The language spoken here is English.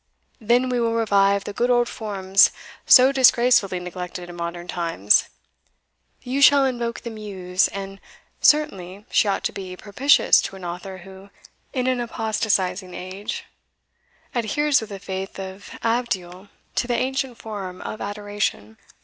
Then we will revive the good old forms so disgracefully neglected in modern times. You shall invoke the Muse and certainly she ought to be propitious to an author who, in an apostatizing age, adheres with the faith of Abdiel to the ancient form of adoration.